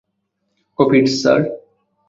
Copied, sir.